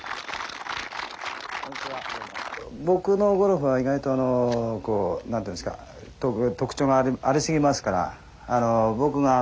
僕のゴルフは意外と何ていうんですか特徴がありすぎますから僕が特徴あるのをね